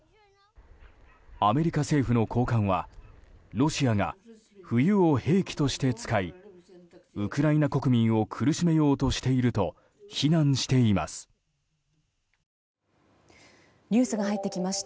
アメリカ政府の高官はロシアが冬を兵器として使いウクライナ国民を苦しめようとしていると非難しています。